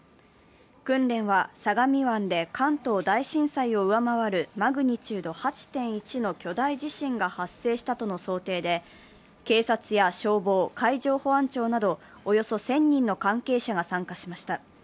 訓練は、相模湾で関東大震災を上回るマグニチュード８．１の巨大地震が発生したとの想定で警察や消防、海上保安庁などおよそ１０００人の関係者が参加しました。